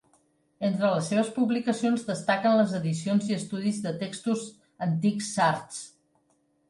Entre les seves publicacions destaquen les edicions i estudis de textos antics sards.